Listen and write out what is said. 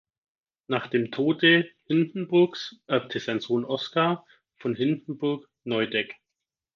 Nach dem Tode Hindenburgs erbte sein Sohn Oskar von Hindenburg Neudeck.